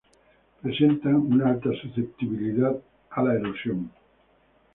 Presentan una alta susceptibilidad a la erosión.